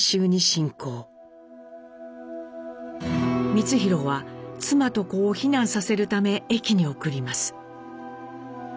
光宏は妻と子を避難させるため駅に送ります。